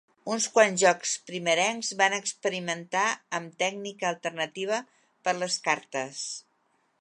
Uns quants jocs primerencs van experimentar amb tècnica alternativa per les cartes.